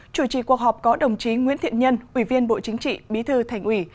chủ trì cuộc họp có đồng chí nguyễn thiện nhân ủy viên bộ chính trị bí thư thành ủy